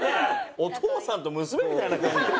お父さんと娘みたいな感じ。